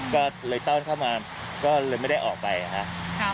ก็เลยต้อนเข้ามาก็เลยไม่ได้ออกไปนะครับ